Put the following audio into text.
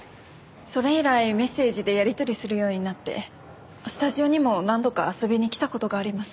それ以来メッセージでやり取りするようになってスタジオにも何度か遊びに来た事があります。